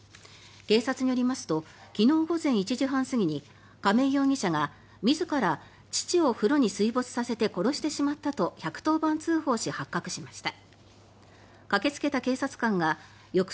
警察によりますと昨日午前１時半過ぎに亀井容疑者が自ら父を風呂に水没させて殺してしまったと１１０番通報し、発覚しました。